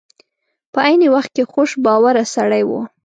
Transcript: په عین وخت کې خوش باوره سړی و.